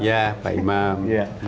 ya pak imam